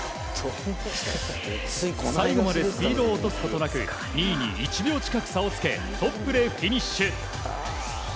最後までスピードを落とすことなく２位に１秒近く差をつけトップでフィニッシュ。